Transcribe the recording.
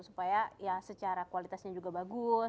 supaya ya secara kualitasnya juga bagus